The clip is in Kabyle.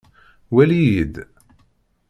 Wali-yi-d.